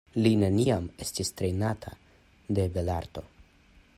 Li neniam estis trejnata de belarto.